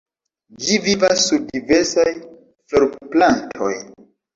Ĝi vivas sur diversaj florplantoj.